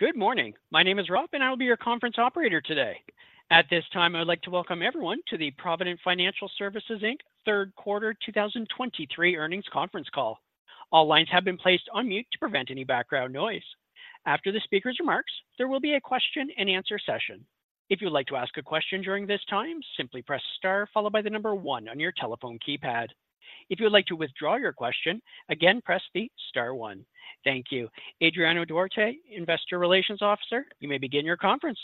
Good morning. My name is Rob, and I will be your conference operator today. At this time, I would like to welcome everyone to the Provident Financial Services, Inc. third quarter 2023 earnings conference call. All lines have been placed on mute to prevent any background noise. After the speaker's remarks, there will be a question and answer session. If you would like to ask a question during this time, simply press star followed by the number one on your telephone keypad. If you would like to withdraw your question, again, press the star one. Thank you. Adriano Duarte, Investor Relations Officer, you may begin your conference.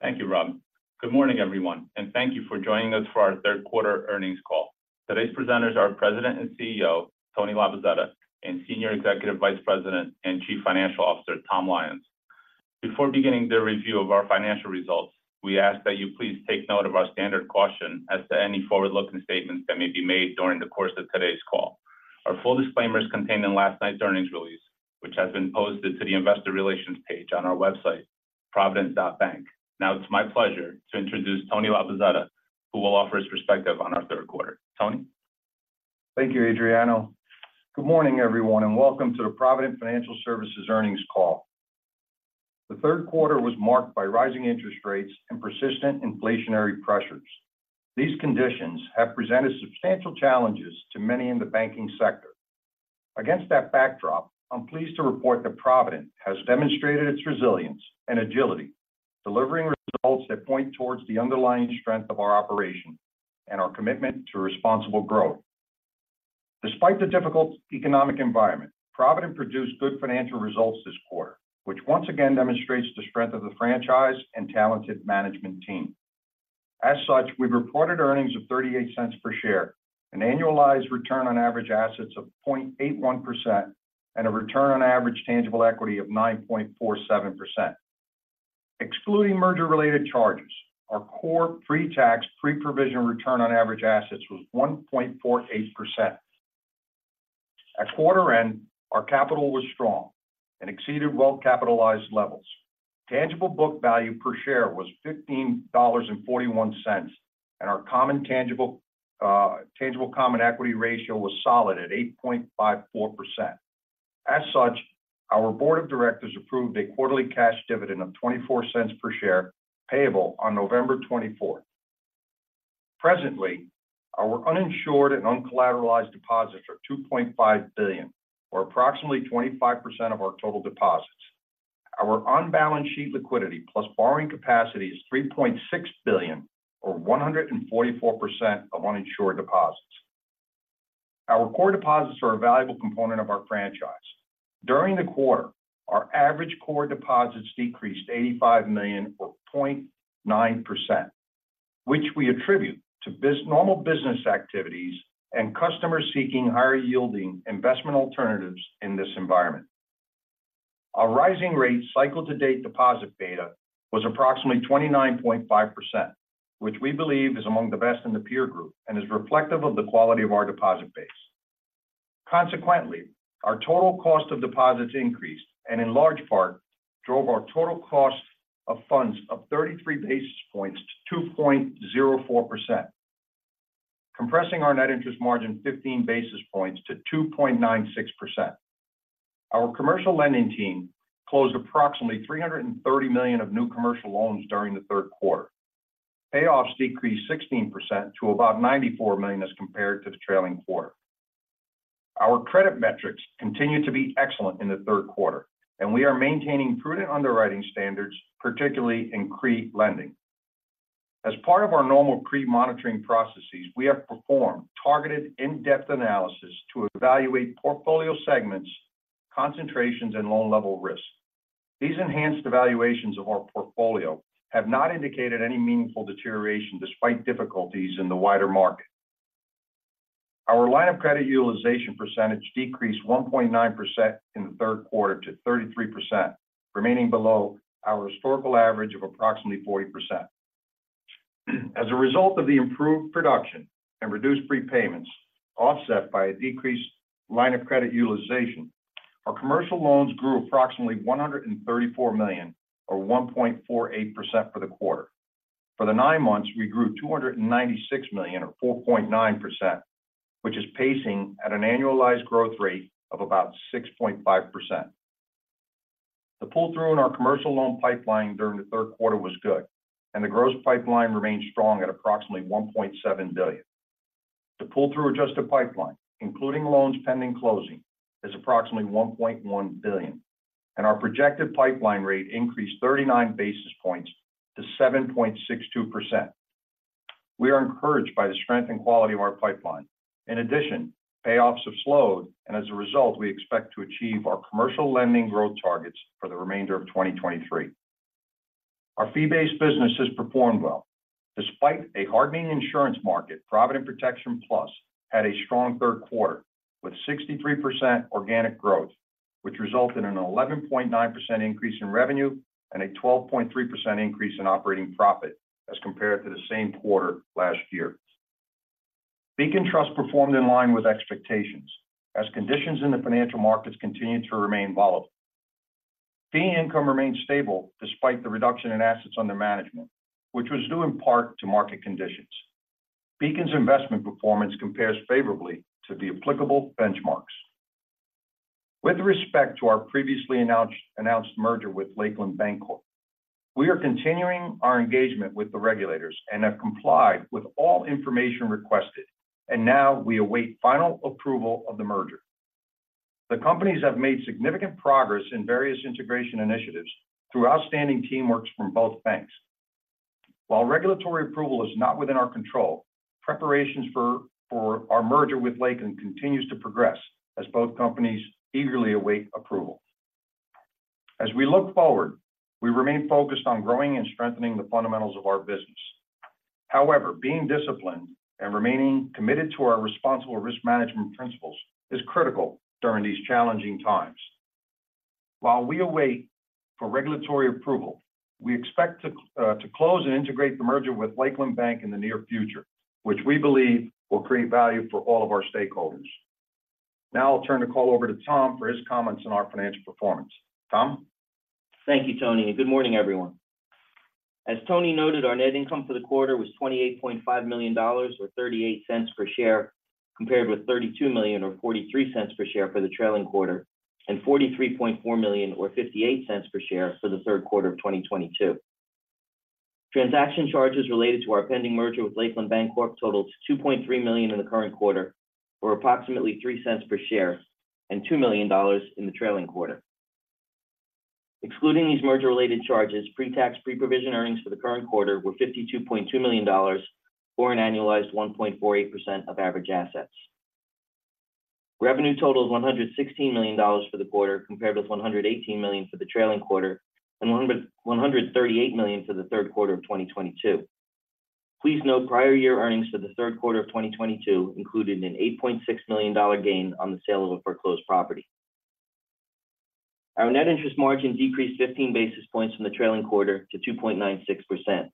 Thank you, Rob. Good morning, everyone, and thank you for joining us for our third quarter earnings call. Today's presenters are President and CEO Tony Labozzetta and Senior Executive Vice President and Chief Financial Officer Tom Lyons. Before beginning the review of our financial results, we ask that you please take note of our standard caution as to any forward-looking statements that may be made during the course of today's call. Our full disclaimer is contained in last night's earnings release, which has been posted to the Investor Relations page on our website, provident.bank. Now, it's my pleasure to introduce Tony Labozzetta, who will offer his perspective on our third quarter. Tony? Thank you, Adriano. Good morning, everyone, and welcome to the Provident Financial Services earnings call. The third quarter was marked by rising interest rates and persistent inflationary pressures. These conditions have presented substantial challenges to many in the banking sector. Against that backdrop, I'm pleased to report that Provident has demonstrated its resilience and agility, delivering results that point towards the underlying strength of our operation and our commitment to responsible growth. Despite the difficult economic environment, Provident produced good financial results this quarter, which once again demonstrates the strength of the franchise and talented management team. As such, we've reported earnings of $0.38 per share, an annualized return on average assets of 0.81%, and a return on average tangible equity of 9.47%. Excluding merger-related charges, our core pre-tax, pre-provision return on average assets was 1.48%. At quarter end, our capital was strong and exceeded well-capitalized levels. Tangible book value per share was $15.41, and our common tangible, tangible common equity ratio was solid at 8.54%. As such, our board of directors approved a quarterly cash dividend of $0.24 per share, payable on November 24. Presently, our uninsured and uncollateralized deposits are $2.5 billion, or approximately 25% of our total deposits. Our on-balance sheet liquidity plus borrowing capacity is $3.6 billion, or 144% of uninsured deposits. Our core deposits are a valuable component of our franchise. During the quarter, our average core deposits decreased $85 million, or 0.9%, which we attribute to normal business activities and customers seeking higher-yielding investment alternatives in this environment. Our rising rate cycle-to-date deposit beta was approximately 29.5%, which we believe is among the best in the peer group and is reflective of the quality of our deposit base. Consequently, our total cost of deposits increased and in large part drove our total cost of funds of 33 basis points to 2.04%, compressing our net interest margin 15 basis points to 2.96%. Our commercial lending team closed approximately $330 million of new commercial loans during the third quarter. Payoffs decreased 16% to about $94 million as compared to the trailing quarter. Our credit metrics continued to be excellent in the third quarter, and we are maintaining prudent underwriting standards, particularly in CRE lending. As part of our normal CRE monitoring processes, we have performed targeted in-depth analysis to evaluate portfolio segments, concentrations, and loan-level risk. These enhanced evaluations of our portfolio have not indicated any meaningful deterioration despite difficulties in the wider market. Our line of credit utilization percentage decreased 1.9% in the third quarter to 33%, remaining below our historical average of approximately 40%. As a result of the improved production and reduced prepayments, offset by a decreased line of credit utilization, our commercial loans grew approximately $134 million or 1.48% for the quarter. For the nine months, we grew $296 million or 4.9%, which is pacing at an annualized growth rate of about 6.5%. The pull-through in our commercial loan pipeline during the third quarter was good, and the gross pipeline remained strong at approximately $1.7 billion. The pull-through adjusted pipeline, including loans pending closing, is approximately $1.1 billion, and our projected pipeline rate increased 39 basis points to 7.62%. We are encouraged by the strength and quality of our pipeline. In addition, payoffs have slowed, and as a result, we expect to achieve our commercial lending growth targets for the remainder of 2023. Our fee-based business has performed well. Despite a hardening insurance market, Provident Protection Plus had a strong third quarter, with 63% organic growth, which resulted in an 11.9% increase in revenue and a 12.3% increase in operating profit as compared to the same quarter last year. Beacon Trust performed in line with expectations, as conditions in the financial markets continued to remain volatile. Fee income remained stable despite the reduction in assets under management, which was due in part to market conditions. Beacon's investment performance compares favorably to the applicable benchmarks. With respect to our previously announced merger with Lakeland Bancorp, we are continuing our engagement with the regulators and have complied with all information requested, and now we await final approval of the merger. The companies have made significant progress in various integration initiatives through outstanding teamwork from both banks. While regulatory approval is not within our control, preparations for our merger with Lakeland continues to progress as both companies eagerly await approval. As we look forward, we remain focused on growing and strengthening the fundamentals of our business. However, being disciplined and remaining committed to our responsible risk management principles is critical during these challenging times. While we await for regulatory approval, we expect to close and integrate the merger with Lakeland Bank in the near future, which we believe will create value for all of our stakeholders. Now I'll turn the call over to Tom for his comments on our financial performance. Tom? Thank you, Tony, and good morning, everyone. As Tony noted, our net income for the quarter was $28.5 million, or $0.38 per share, compared with $32 million or $0.43 per share for the trailing quarter, and $43.4 million or $0.58 per share for the third quarter of 2022. Transaction charges related to our pending merger with Lakeland Bancorp totaled $2.3 million in the current quarter, or approximately $0.03 per share, and $2 million in the trailing quarter. Excluding these merger-related charges, pre-tax, pre-provision earnings for the current quarter were $52.2 million, or an annualized 1.48% of average assets. Revenue total is $116 million for the quarter, compared with $118 million for the trailing quarter and $138 million for the third quarter of 2022. Please note, prior year earnings for the third quarter of 2022 included an $8.6 million gain on the sale of a foreclosed property. Our net interest margin decreased 15 basis points from the trailing quarter to 2.96%.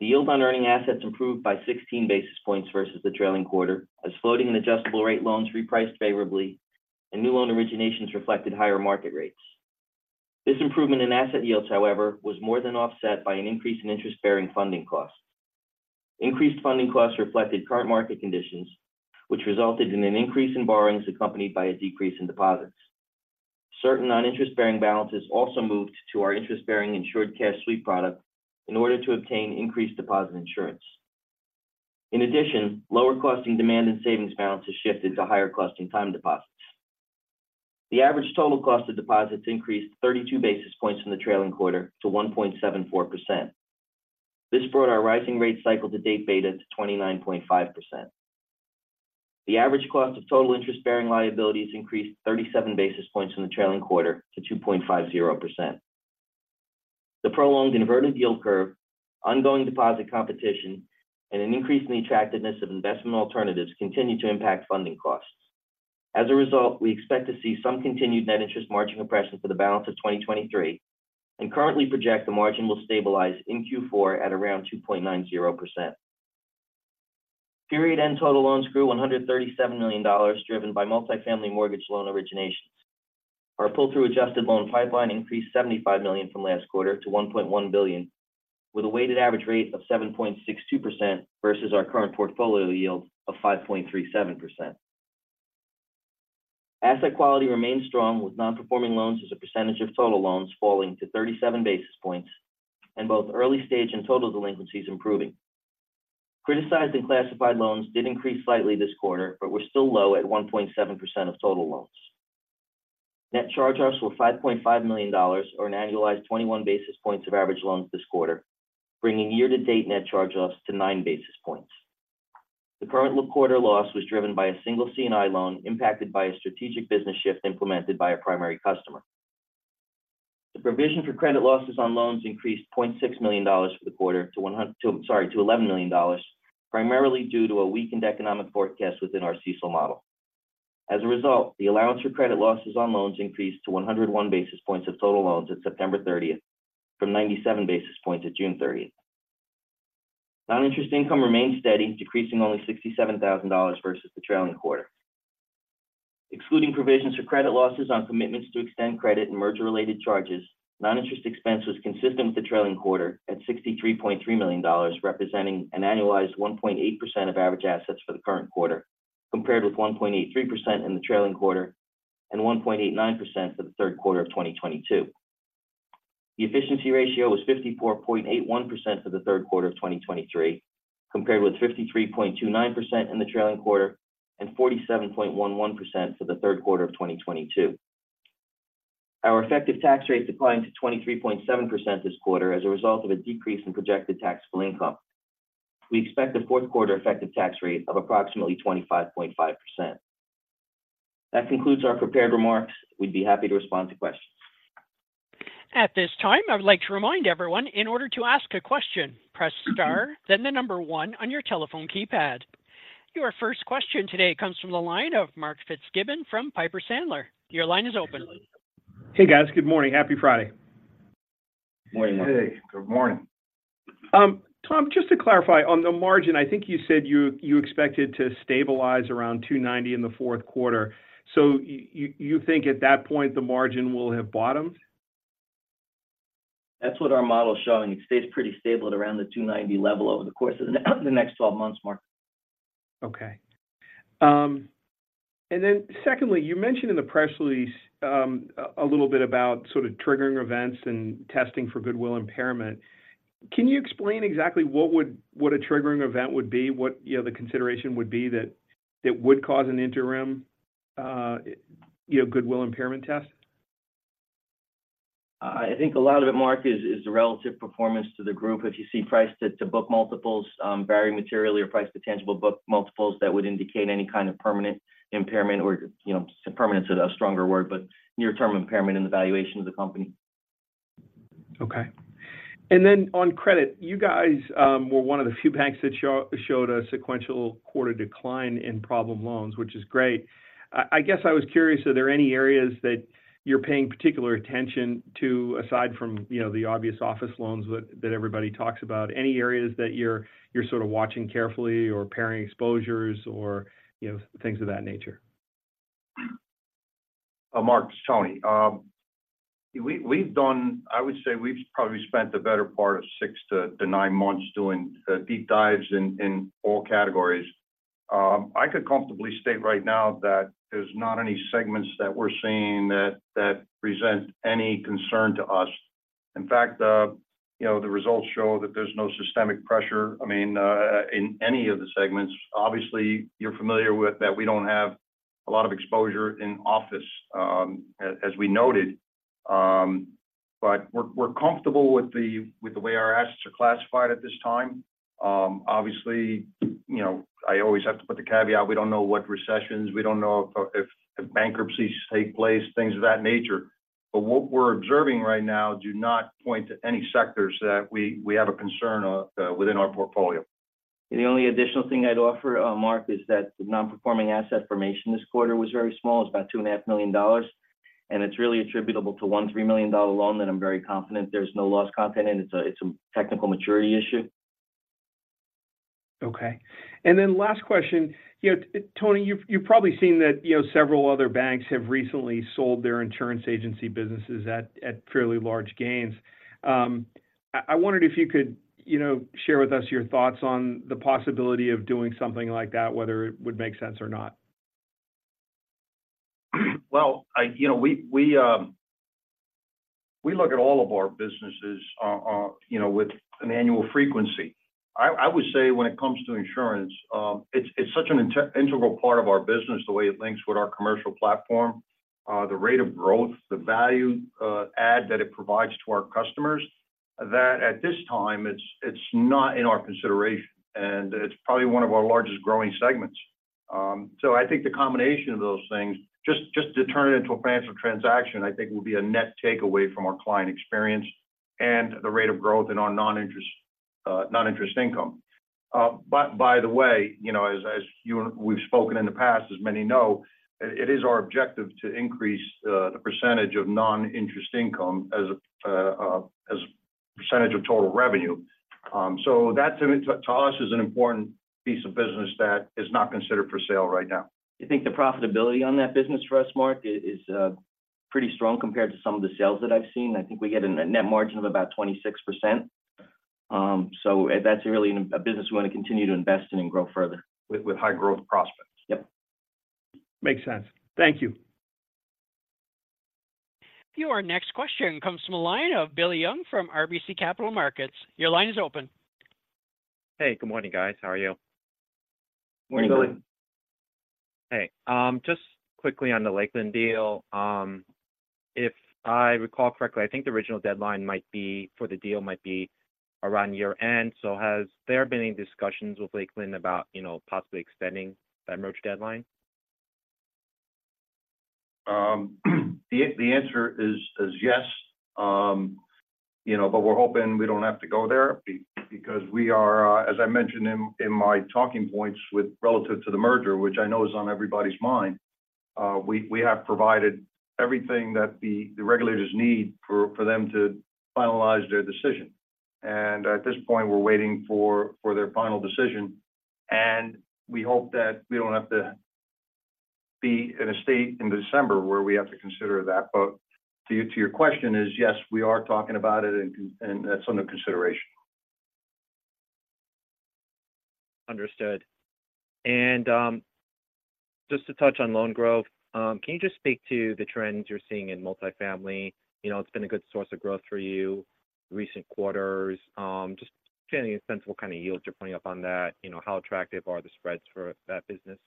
The yield on earning assets improved by 16 basis points versus the trailing quarter, as floating and adjustable rate loans repriced favorably and new loan originations reflected higher market rates. This improvement in asset yields, however, was more than offset by an increase in interest-bearing funding costs. Increased funding costs reflected current market conditions, which resulted in an increase in borrowings accompanied by a decrease in deposits. Certain non-interest-bearing balances also moved to our interest-bearing insured cash sweep product in order to obtain increased deposit insurance. In addition, lower costing demand and savings balances shifted to higher costing time deposits. The average total cost of deposits increased 32 basis points from the trailing quarter to 1.74%. This brought our rising rate cycle to date beta to 29.5%. The average cost of total interest-bearing liabilities increased 37 basis points from the trailing quarter to 2.50%. The prolonged inverted yield curve, ongoing deposit competition, and an increase in the attractiveness of investment alternatives continued to impact funding costs. As a result, we expect to see some continued net interest margin compression for the balance of 2023, and currently project the margin will stabilize in Q4 at around 2.90%. Period end total loans grew $137 million, driven by multifamily mortgage loan originations. Our pull-through adjusted loan pipeline increased $75 million from last quarter to $1.1 billion, with a weighted average rate of 7.62% versus our current portfolio yield of 5.37%. Asset quality remains strong, with non-performing loans as a percentage of total loans falling to 37 basis points, and both early stage and total delinquencies improving. Criticized and classified loans did increase slightly this quarter, but were still low at 1.7% of total loans. Net charge-offs were $5.5 million, or an annualized 21 basis points of average loans this quarter, bringing year-to-date net charge-offs to 9 basis points. The current quarter loss was driven by a single C&I loan impacted by a strategic business shift implemented by a primary customer. The provision for credit losses on loans increased $0.6 million for the quarter to $11 million, primarily due to a weakened economic forecast within our CECL model. As a result, the allowance for credit losses on loans increased to 101 basis points of total loans at September 30th, from 97 basis points at June 30th. Non-interest income remained steady, decreasing only $67,000 versus the trailing quarter. Excluding provisions for credit losses on commitments to extend credit and merger-related charges, non-interest expense was consistent with the trailing quarter at $63.3 million, representing an annualized 1.8% of average assets for the current quarter, compared with 1.83% in the trailing quarter and 1.89% for the third quarter of 2022. The efficiency ratio was 54.81% for the third quarter of 2023, compared with 53.29% in the trailing quarter and 47.11% for the third quarter of 2022. Our effective tax rate declined to 23.7% this quarter as a result of a decrease in projected taxable income. We expect a fourth quarter effective tax rate of approximately 25.5%. That concludes our prepared remarks. We'd be happy to respond to questions. At this time, I would like to remind everyone in order to ask a question, press star, then the number one on your telephone keypad. Your first question today comes from the line of Mark Fitzgibbon from Piper Sandler. Your line is open. Hey, guys. Good morning. Happy Friday. Morning. Hey, good morning. Tom, just to clarify on the margin, I think you said you expected to stabilize around 2.90% in the fourth quarter. So you think at that point the margin will have bottomed? That's what our model is showing. It stays pretty stable at around the 2.90% level over the course of the next 12 months, Mark. Okay. And then secondly, you mentioned in the press release, a little bit about sort of triggering events and testing for goodwill impairment. Can you explain exactly what a triggering event would be? What, you know, the consideration would be that it would cause an interim, you know, goodwill impairment test? I think a lot of it, Mark, is the relative performance to the group. If you see price to book multiples, varying materially or price to tangible book multiples, that would indicate any kind of permanent impairment or, you know, permanent is a stronger word, but near-term impairment in the valuation of the company. Okay. And then on credit, you guys, were one of the few banks that showed a sequential quarter decline in problem loans, which is great. I guess I was curious, are there any areas that you're paying particular attention to, aside from, you know, the obvious office loans that everybody talks about? Any areas that you're sort of watching carefully or pairing exposures or, you know, things of that nature? Mark, it's Tony. We've done, I would say we've probably spent the better part of six to nine months doing deep dives in all categories. I could comfortably state right now that there's not any segments that we're seeing that present any concern to us. In fact, you know, the results show that there's no systemic pressure, I mean, in any of the segments. Obviously, you're familiar with that we don't have a lot of exposure in office, as we noted. We're comfortable with the way our assets are classified at this time. Obviously, you know, I always have to put the caveat. We don't know what recessions. We don't know if bankruptcies take place, things of that nature. But what we're observing right now do not point to any sectors that we have a concern within our portfolio. The only additional thing I'd offer, Mark, is that the non-performing asset formation this quarter was very small. It's about $2.5 million, and it's really attributable to one $3 million loan that I'm very confident there's no loss content, and it's a technical maturity issue. Okay. And then last question: you know, Tony, you've probably seen that, you know, several other banks have recently sold their insurance agency businesses at fairly large gains. I wondered if you could, you know, share with us your thoughts on the possibility of doing something like that, whether it would make sense or not. Well, you know, we look at all of our businesses, you know, with an annual frequency. I would say when it comes to insurance, it's such an integral part of our business, the way it links with our commercial platform, the rate of growth, the value add that it provides to our customers, that at this time, it's not in our consideration, and it's probably one of our largest growing segments. So I think the combination of those things, just to turn it into a financial transaction, I think will be a net takeaway from our client experience and the rate of growth in our non-interest income. But by the way, you know, as you, and we've spoken in the past, as many know, it is our objective to increase the percentage of non-interest income as a percentage of total revenue. So that to me, to us, is an important piece of business that is not considered for sale right now. I think the profitability on that business for us, Mark, is pretty strong compared to some of the sales that I've seen. I think we get a net margin of about 26%. So that's really a business we want to continue to invest in and grow further. With high growth prospects. Yep. Makes sense. Thank you. Your next question comes from the line of Billy Young from RBC Capital Markets. Your line is open. Hey, good morning, guys. How are you? Morning, Billy. Morning. Hey, just quickly on the Lakeland deal. If I recall correctly, I think the original deadline for the deal might be around year-end. So has there been any discussions with Lakeland about, you know, possibly extending that merger deadline? The answer is yes. You know, but we're hoping we don't have to go there because we are, as I mentioned in my talking points with relative to the merger, which I know is on everybody's mind, we have provided everything that the regulators need for them to finalize their decision. And at this point, we're waiting for their final decision, and we hope that we don't have to be in a state in December where we have to consider that. But to your question is, yes, we are talking about it and that's under consideration. Understood. Just to touch on loan growth, can you just speak to the trends you're seeing in multifamily? You know, it's been a good source of growth for you, recent quarters. Just getting a sense of what kind of yields you're putting up on that. You know, how attractive are the spreads for that business?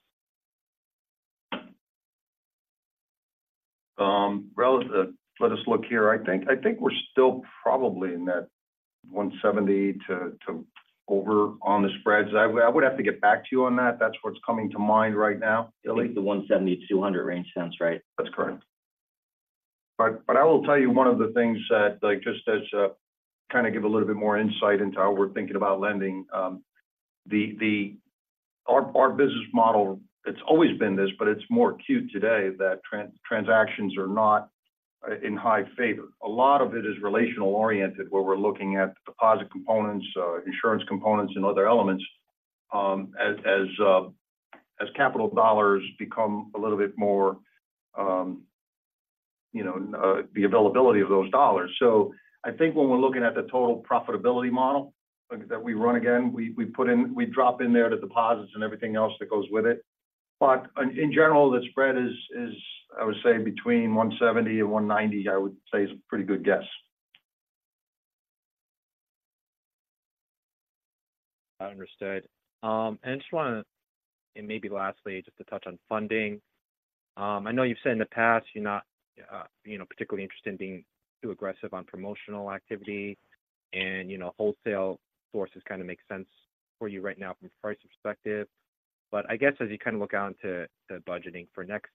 Let us look here. I think we're still probably in that 170 to over on the spreads. I would have to get back to you on that. That's what's coming to mind right now. I think the 170-200 range sounds right. That's correct. But I will tell you one of the things that, like, just kind of give a little bit more insight into how we're thinking about lending. Our business model, it's always been this, but it's more acute today that transactions are not in high favor. A lot of it is relational-oriented, where we're looking at deposit components, insurance components, and other elements, as capital dollars become a little bit more, you know, the availability of those dollars. So I think when we're looking at the total profitability model that we run again, we drop in there, the deposits and everything else that goes with it. But in general, the spread is, I would say, between 170 and 190, I would say is a pretty good guess. Understood. And maybe lastly, just to touch on funding. I know you've said in the past you're not, you know, particularly interested in being too aggressive on promotional activity and, you know, wholesale sources kind of make sense for you right now from a price perspective. But I guess as you kind of look out into the budgeting for next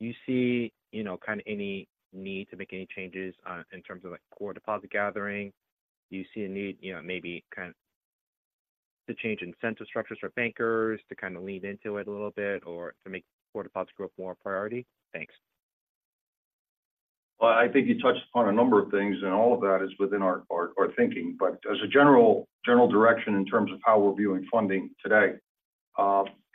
year, do you see, you know, kind of any need to make any changes, in terms of like, core deposit gathering? Do you see a need, you know, maybe kind of to change incentive structures for bankers to kind of lean into it a little bit or to make core deposit growth more a priority? Thanks. Well, I think you touched upon a number of things, and all of that is within our thinking. But as a general direction in terms of how we're viewing funding today,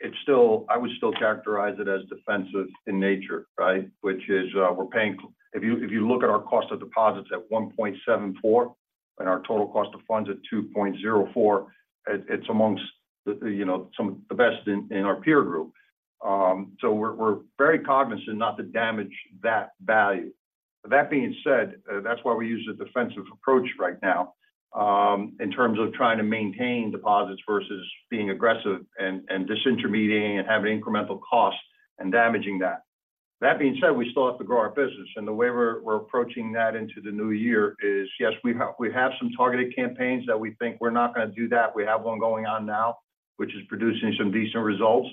it's still. I would still characterize it as defensive in nature, right? Which is, we're paying. If you look at our cost of deposits at 1.74% and our total cost of funds at 2.04%, it's amongst the, you know, some of the best in our peer group. So we're very cognizant not to damage that value. That being said, that's why we use a defensive approach right now, in terms of trying to maintain deposits versus being aggressive and disintermediating and having incremental costs and damaging that. That being said, we still have to grow our business, and the way we're approaching that into the new year is, yes, we have some targeted campaigns that we think we're not going to do that. We have one going on now, which is producing some decent results.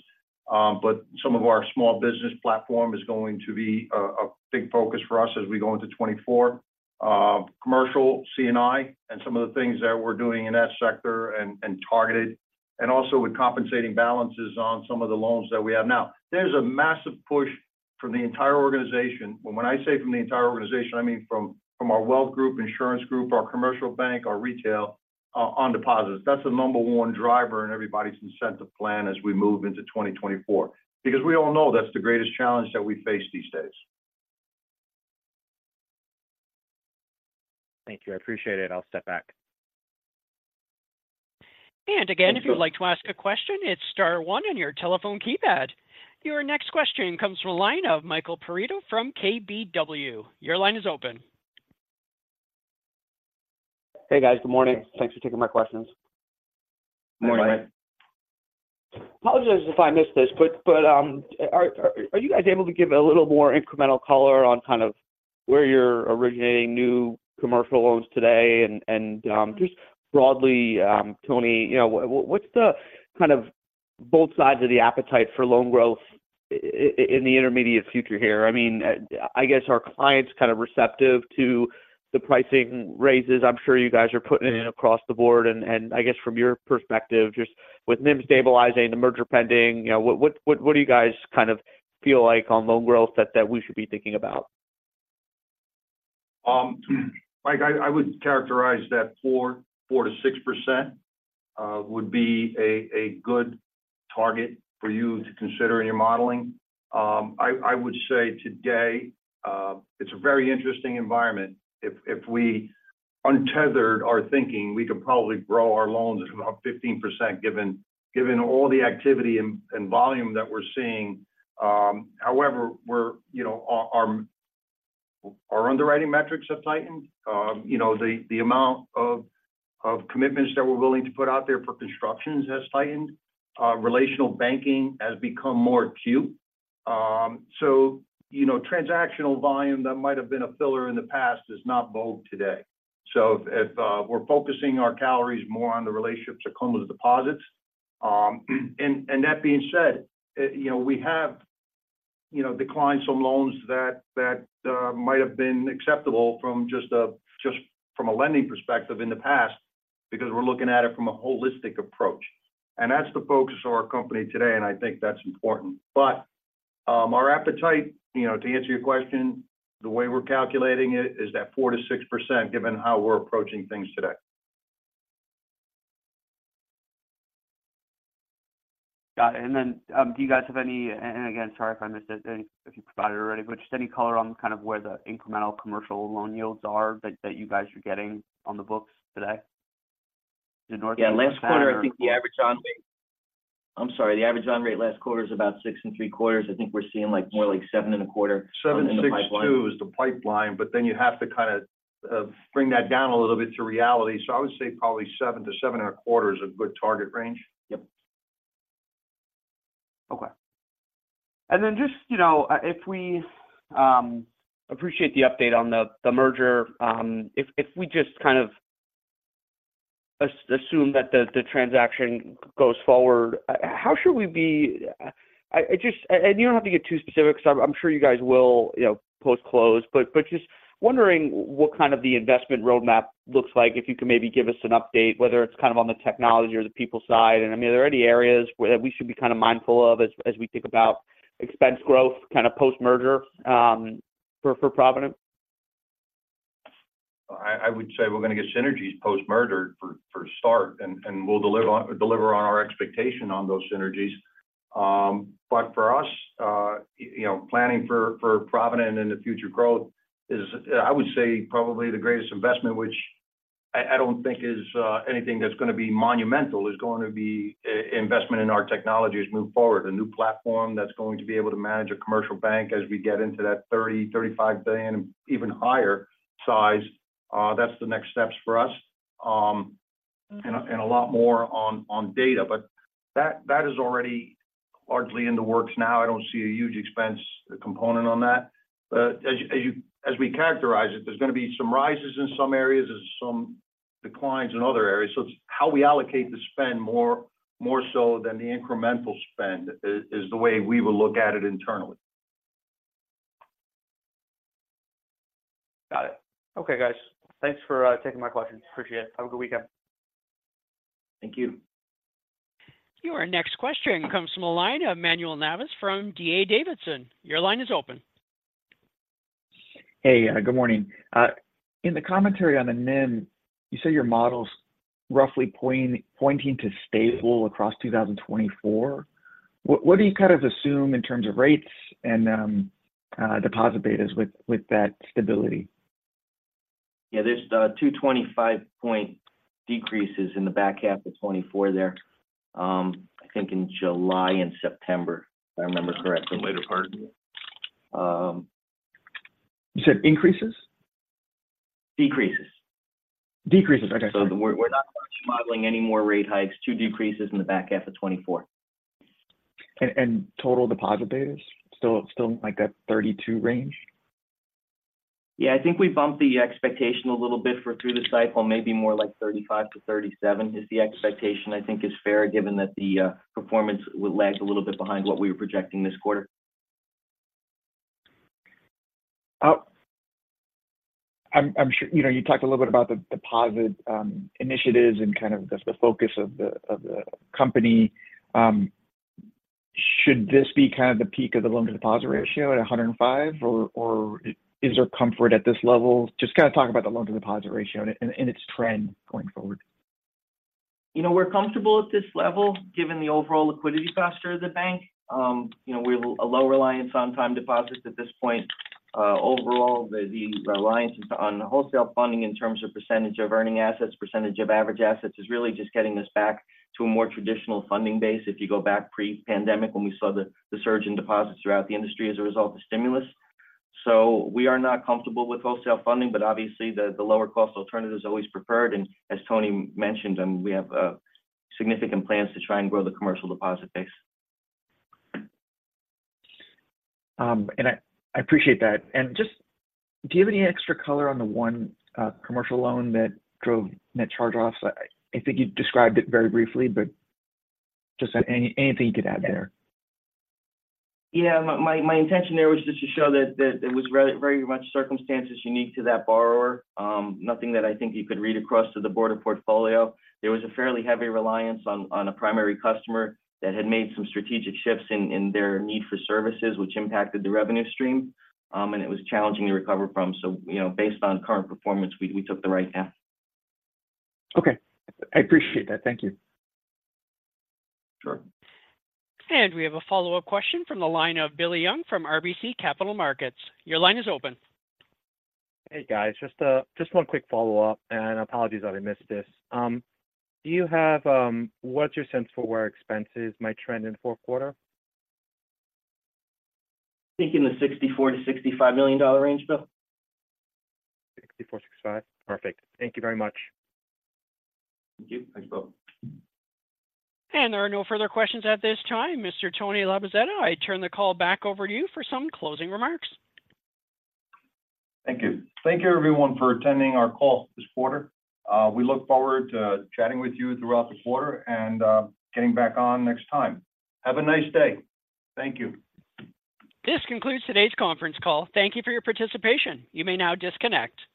But some of our small business platform is going to be a big focus for us as we go into 2024. Commercial C&I and some of the things that we're doing in that sector and targeted, and also with compensating balances on some of the loans that we have now. There's a massive push from the entire organization. When I say from the entire organization, I mean from our wealth group, insurance group, our commercial bank, our retail on deposits. That's the number one driver in everybody's incentive plan as we move into 2024, because we all know that's the greatest challenge that we face these days. Thank you. I appreciate it. I'll step back. And again, if you'd like to ask a question, it's star one on your telephone keypad. Your next question comes from a line of Michael Perito from KBW. Your line is open. Hey, guys. Good morning. Thanks for taking my questions. Good morning. Apologize if I missed this, but are you guys able to give a little more incremental color on kind of where you're originating new commercial loans today? Just broadly, Tony, you know, what's the kind of both sides of the appetite for loan growth in the intermediate future here? I mean, I guess are clients kind of receptive to the pricing raises? I'm sure you guys are putting it in across the board. I guess from your perspective, just with NIM stabilizing, the merger pending, you know, what do you guys kind of feel like on loan growth that we should be thinking about? Mike, I would characterize that 4%-6% would be a good target for you to consider in your modeling. I would say today, it's a very interesting environment. If we untethered our thinking, we could probably grow our loans about 15%, given all the activity and volume that we're seeing. However, you know, our underwriting metrics have tightened. You know, the amount of commitments that we're willing to put out there for constructions has tightened. Relational banking has become more acute. So, you know, transactional volume that might have been a filler in the past is not vogue today. So if we're focusing our calories more on the relationships that come with deposits, and that being said, you know, we have, you know, declined some loans that might have been acceptable from just a, just from a lending perspective in the past, because we're looking at it from a holistic approach. And that's the focus of our company today, and I think that's important. But our appetite, you know, to answer your question, the way we're calculating it is that 4%-6%, given how we're approaching things today. Got it. And then, do you guys have any, and, and again, sorry if I missed it, if you provided it already, but just any color on kind of where the incremental commercial loan yields are that, that you guys are getting on the books today? Yeah, last quarter, I think the average on rate, I'm sorry, the average on rate last quarter is about 6.75%. I think we're seeing, like, more like 7.25%. 7.62% is the pipeline, but then you have to kind of bring that down a little bit to reality. So I would say probably 7%-7.25% is a good target range. Yep. Okay. And then just, you know, if we appreciate the update on the merger. If we just kind of assume that the transaction goes forward, how should we, I just, and you don't have to get too specific, so I'm sure you guys will, you know, post close, but just wondering what kind of the investment roadmap looks like, if you could maybe give us an update, whether it's kind of on the technology or the people side. And I mean, are there any areas where, that we should be kind of mindful of as we think about expense growth, kind of post-merger, for Provident? I would say we're gonna get synergies post-merger for a start, and we'll deliver on our expectation on those synergies. But for us, you know, planning for Provident and the future growth is, I would say probably the greatest investment, which I don't think is anything that's gonna be monumental. It's going to be investment in our technologies moving forward. A new platform that's going to be able to manage a commercial bank as we get into that $30 billion-$35 billion, even higher size. That's the next steps for us. And a lot more on data, but that is already largely in the works now. I don't see a huge expense component on that. But as we characterize it, there's gonna be some rises in some areas, there's some declines in other areas. So it's how we allocate the spend more so than the incremental spend is the way we will look at it internally. Got it. Okay, guys. Thanks for taking my questions. Appreciate it. Have a good weekend. Thank you. Your next question comes from the line of Manuel Navas from D.A. Davidson. Your line is open. Hey, good morning. In the commentary on the NIM, you say your model's roughly pointing to stable across 2024. What do you kind of assume in terms of rates and deposit betas with that stability? Yeah, there's two 25-point decreases in the back half of 2024 there. I think in July and September, if I remember correctly. The later part. You said increases? Decreases. Decreases. Okay. So we're not modeling any more rate hikes. Two decreases in the back half of 2024. Total deposit betas still like that 32 range? Yeah, I think we bumped the expectation a little bit for through the cycle. Maybe more like 35-37 is the expectation, I think is fair, given that the performance would lag a little bit behind what we were projecting this quarter. I'm sure. You know, you talked a little bit about the deposit initiatives and kind of the focus of the company. Should this be kind of the peak of the loan-to-deposit ratio at 105, or is there comfort at this level? Just kind of talk about the loan-to-deposit ratio and its trend going forward. You know, we're comfortable at this level, given the overall liquidity posture of the bank. You know, we're a low reliance on time deposits at this point. Overall, the reliance on wholesale funding in terms of percentage of earning assets, percentage of average assets, is really just getting us back to a more traditional funding base if you go back pre-pandemic, when we saw the surge in deposits throughout the industry as a result of stimulus. So we are not comfortable with wholesale funding, but obviously, the lower cost alternative is always preferred. And as Tony mentioned, we have significant plans to try and grow the commercial deposit base. I appreciate that. Just, do you have any extra color on the one commercial loan that drove net charge-offs? I think you described it very briefly, but just anything you could add there? Yeah. My intention there was just to show that it was very, very much circumstances unique to that borrower. Nothing that I think you could read across to the board of portfolio. There was a fairly heavy reliance on a primary customer that had made some strategic shifts in their need for services, which impacted the revenue stream. And it was challenging to recover from. So, you know, based on current performance, we took the right path. Okay. I appreciate that. Thank you. Sure. We have a follow-up question from the line of Billy Young from RBC Capital Markets. Your line is open. Hey, guys, just one quick follow-up, and apologies if I missed this. Do you have, what's your sense for where expenses might trend in fourth quarter? Think in the $64 million-$65 million range, Bill. $64 million-$65 million? Perfect. Thank you very much. Thank you. Thanks, Bill. There are no further questions at this time. Mr. Tony Labozzetta, I turn the call back over to you for some closing remarks. Thank you. Thank you, everyone, for attending our call this quarter. We look forward to chatting with you throughout the quarter and getting back on next time. Have a nice day. Thank you. This concludes today's conference call. Thank you for your participation. You may now disconnect.